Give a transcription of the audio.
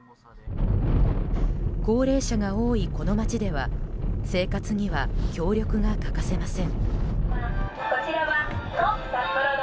高齢者が多いこの街では生活には協力が欠かせません。